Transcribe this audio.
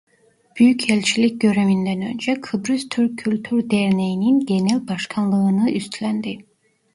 Büyükelçilik görevinden önce Kıbrıs Türk Kültür Derneğinin genel başkanlığını üstlendi.